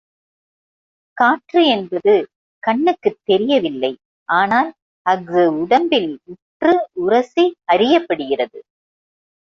காற்று என்பது கண்ணுக்குத் தெரியவில்லை ஆனால் அஃது உடம்பில் உற்று உரசி அறியப்படுகிறது.